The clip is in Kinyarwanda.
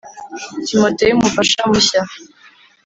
timoteyo, umufasha mushya